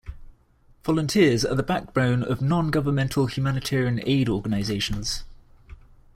Volunteers are the backbone of non-governmental humanitarian aid organizations.